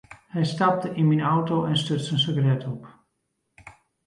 Hy stapte yn myn auto en stuts in sigaret op.